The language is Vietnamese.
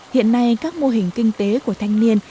hiện nay các mô hình kinh tế của thanh niên